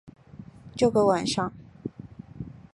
这个晚上